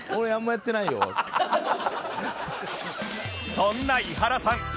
そんな井原さん